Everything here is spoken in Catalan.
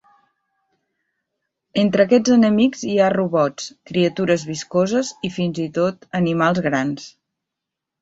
Entre aquests enemics hi ha robots, criatures viscoses i fins i tot animals grans.